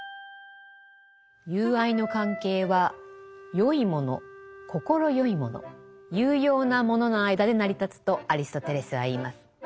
友愛の関係は善いもの快いもの有用なものの間で成り立つとアリストテレスは言います。